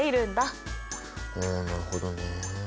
なるほどね。